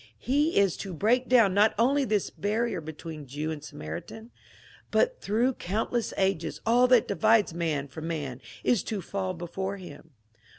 He is to break down not only this barrier between Jew and Samaritan, but through count less ages all that divides man from man is to fall before him.